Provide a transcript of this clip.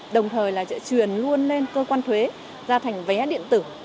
đồng thời là sẽ truyền luôn lên cơ quan thuế ra thành vé điện tử